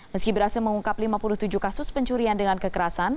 meski berhasil mengungkap lima puluh tujuh kasus pencurian dengan kekerasan